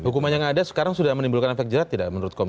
hukuman yang ada sekarang sudah menimbulkan efek jerat tidak menurut komisi